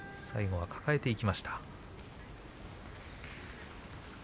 最後は抱えていきました。